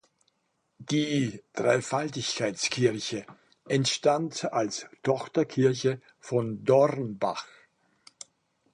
Die Dreifaltigkeitskirche entstand als Tochterkirche von Dornbach.